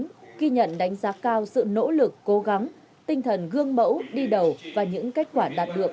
ghi nhận đánh giá cao sự nỗ lực cố gắng tinh thần gương mẫu đi đầu và những kết quả đạt được